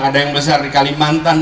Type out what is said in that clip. ada yang besar di kalimantan